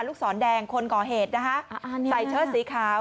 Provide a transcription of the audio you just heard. ศรแดงคนก่อเหตุนะคะใส่เชิดสีขาว